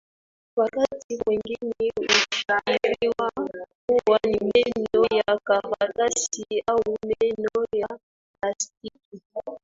Wakati mwengine hufikiriwa kuwa ni meno ya karatasi au meno ya plastiki